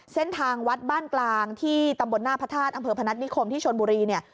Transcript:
เส้นทางวัดบ้านกลางที่ตำบลหน้าพระธาตุอำเภอพนัฐนิคมที่ชนบุรีเนี่ย